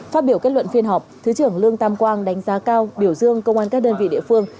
phát biểu kết luận phiên họp thứ trưởng lương tam quang đánh giá cao biểu dương công an các đơn vị địa phương